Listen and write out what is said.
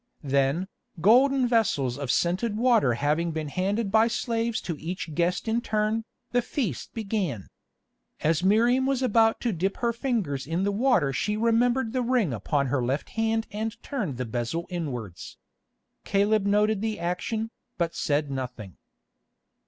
Then, golden vessels of scented water having been handed by slaves to each guest in turn, the feast began. As Miriam was about to dip her fingers in the water she remembered the ring upon her left hand and turned the bezel inwards. Caleb noted the action, but said nothing.